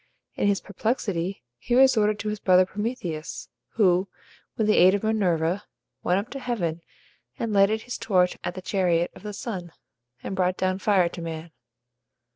In his perplexity he resorted to his brother Prometheus, who, with the aid of Minerva, went up to heaven, and lighted his torch at the chariot of the sun, and brought down fire to man.